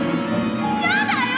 やだよ！